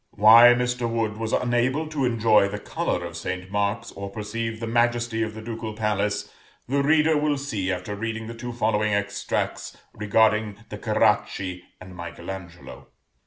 Why Mr. Wood was unable to enjoy the color of St. Mark's, or perceive the majesty of the Ducal Palace, the reader will see after reading the two following extracts regarding the Caracci and Michael Angelo.